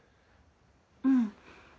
うん。